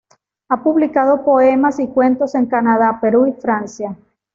Ha publicado poemas y cuentos en Canadá, Perú y Francia.